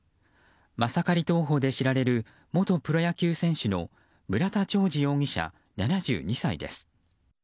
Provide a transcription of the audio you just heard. マサカリ投法で知られる元プロ野球選手の村田兆治容疑者、７２歳です。